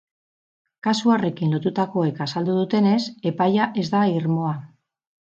Kasu horrekin lotutakoek azaldu dutenez, epaia ez da irmoa.